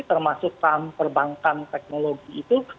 termasuk saham perbankan teknologi itu